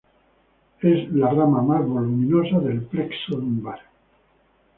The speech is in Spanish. Es la rama más voluminosa del plexo lumbar.